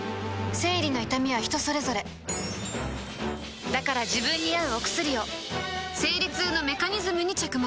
生理の痛みは人それぞれだから自分に合うお薬を生理痛のメカニズムに着目